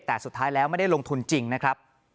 แต่สุดท้ายแล้วไม่ได้ลงทุนจริงนะครับ